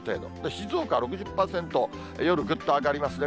静岡６０％、夜ぐっと上がりますね。